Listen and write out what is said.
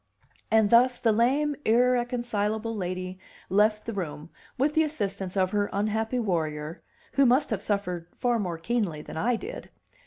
And thus the lame, irreconcilable lady left the room with the assistance of her unhappy warrior, who must have suffered far more keenly than I did.